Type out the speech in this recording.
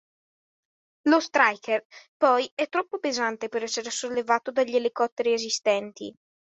Lo Stryker poi è troppo pesante per essere sollevato dagli elicotteri esistenti.